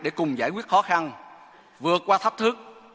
để cùng giải quyết khó khăn vượt qua thách thức